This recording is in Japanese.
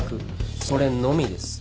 それのみです。